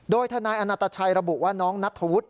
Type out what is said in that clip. โดยทนายอนาตชัยระบุว่าน้องนัทธวุฒิ